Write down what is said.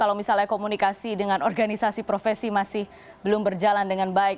kalau misalnya komunikasi dengan organisasi profesi masih belum berjalan dengan baik